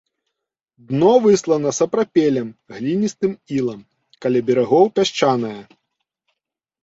Дно выслана сапрапелем, гліністым ілам, каля берагоў пясчанае.